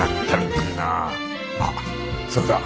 あっそうだ！